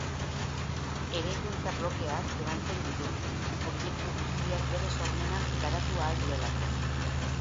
Eraikuntza-blokeak lantzen ditu, objektu guztiak bere sormena garatu ahal duelako.